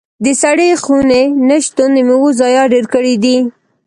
د سړې خونې نه شتون د میوو ضايعات ډېر کړي دي.